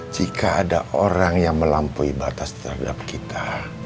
jika ada orang yang melampaui batas terhadap kita